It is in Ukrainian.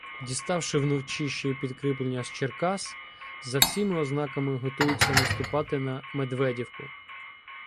Діставши вночі ще й підкріплення з Черкас, за всіма ознаками готуються наступати на Медведівку.